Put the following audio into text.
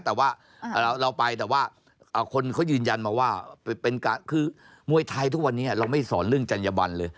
แต่ว่าเราไปแต่ว่าคนเขายืนยันมาว่าคือมวยไทยทุกวันนี้เราไม่สอนเรื่องจัญญบันเลย